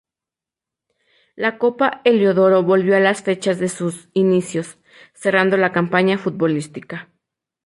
La Copa Heliodoro volvió a las fechas de sus inicios, cerrando la campaña futbolística.